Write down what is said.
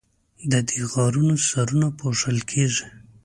د دې غارونو سرونه پوښل کیږي.